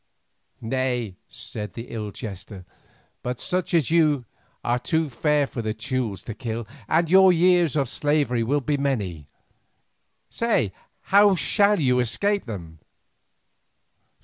"Nay," said this ill jester, "but such as you are too fair for the Teules to kill, and your years of slavery will be many. Say, how shall you escape them?"